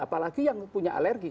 apalagi yang punya alergi